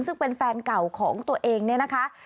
ซึ่งเป็นแฟนเก่าของตัวเองเนี่ยนะคะ